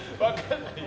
分かんないよ。